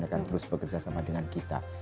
akan terus bekerja sama dengan kita